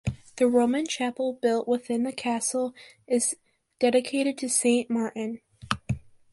The Roman chapel built within the castle is dedicated to Saint Martin.